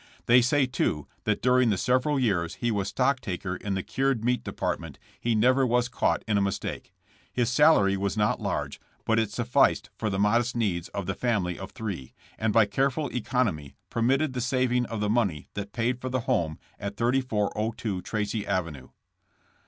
They say, too, that during the several years he was stock taker in the cured meat depart ment he never was caught in a mistake. His salary was not large, but it sufficed for the modest needs of the family of three, and by careful economy permit ted the saving of the money that paid for the home at 3402 Tracy avenue."